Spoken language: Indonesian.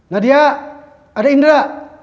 nadia ada indra